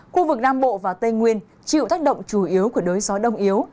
khu vực nam bộ và tây nguyên chịu tác động chủ yếu của đới gió đông yếu